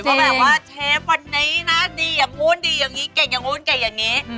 เพราะแบบว่าเชฟวันนี้นะดีอย่างนู้นดีอย่างนี้เก่งอย่างนู้นเก่งอย่างนี้